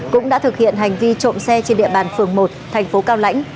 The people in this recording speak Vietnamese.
cũng đã thực hiện hành vi trộm xe trên địa bàn phường một thành phố cao lãnh